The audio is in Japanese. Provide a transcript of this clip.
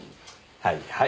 はい。